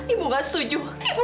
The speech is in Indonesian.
ibu gak setuju